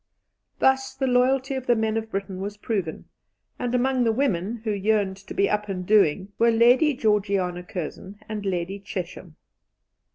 Thus the loyalty of the men of Britain was proven, and among the women who yearned to be up and doing were Lady Georgiana Curzon and Lady Chesham.